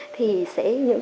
chúng tôi sẽ trở thành